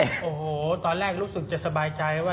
โอ้โหตอนแรกรู้สึกจะสบายใจว่า